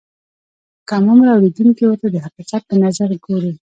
کم عمره اورېدونکي ورته د حقیقت په نظر ګوري.